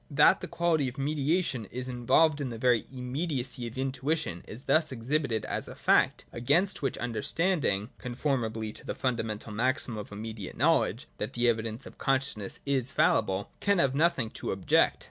That the quality of mediation is involved in the very immediacy of intuition is thus exhibited as a fact, against which understanding, conformably to the funda mental maxim of immediate knowledge that the evi dence of consciousness is infallible, can have nothing to object.